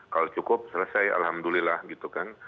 kalau cukup selesai alhamdulillah gitu kan